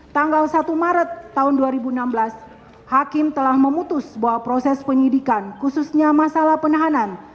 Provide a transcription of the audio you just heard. tanggal satu maret tahun dua ribu enam belas hakim telah memutus bahwa proses penyidikan khususnya masalah penahanan